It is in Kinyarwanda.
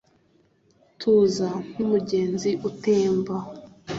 Tuza nkumugezi utemba